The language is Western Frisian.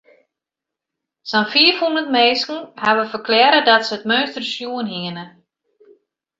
Sa'n fiifhûndert minsken hawwe ferklearre dat se it meunster sjoen hiene.